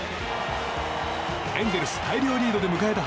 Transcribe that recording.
エンゼルス大量リードで迎えた